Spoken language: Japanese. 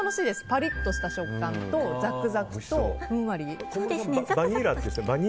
パリッとした食感とザクザクとふんわり。